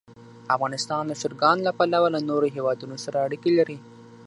افغانستان د چرګان له پلوه له نورو هېوادونو سره اړیکې لري.